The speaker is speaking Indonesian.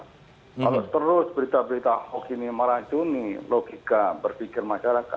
kalau terus berita berita hoax ini meracuni logika berpikir masyarakat